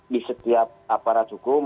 di setiap aparat hukum